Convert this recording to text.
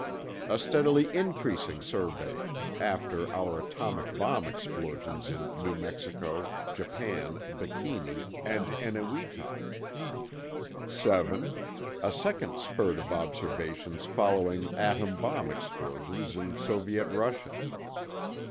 A steadily increasing survey after our atomic bomb explosions in New Mexico, Japan, Bikini, and Eniwetok. 7. A second spurt of observations following atom bomb explosions in Soviet Russia.